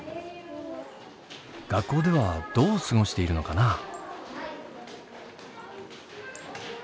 学校ではどう過ごしているのかな？